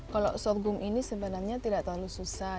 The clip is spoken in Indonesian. kalau sorghum ini sebenarnya tidak terlalu susah